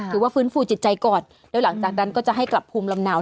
ถือว่าฟื้นฟูจิตใจก่อนแล้วหลังจากนั้นก็จะให้กลับภูมิลำเนา